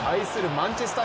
マンチェスター